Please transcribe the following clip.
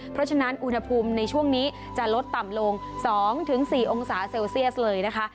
เพราะฉะนั้นอุณหภูมิในช่วงนี้จะลดต่ำลง๒๔องศาเซลเซียสเลยนะคะ